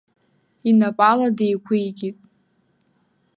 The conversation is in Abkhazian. Инапала деиқәикит.